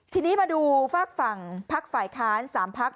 ทีนี้มาดูฝากฝั่งพักฝ่ายค้าน๓พัก